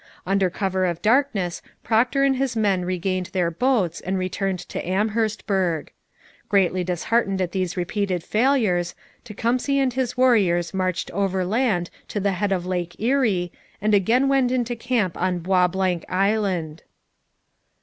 Under cover of darkness Procter and his men regained their boats and returned to Amherstburg. Greatly disheartened at these repeated failures, Tecumseh and his warriors marched overland to the head of Lake Erie and again went into camp on Bois Blanc Island.